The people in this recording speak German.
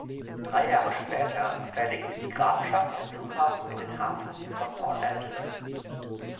Drei Jahre später verlegte die Grafschaft den Flughafen in den Hafen von Port Angeles.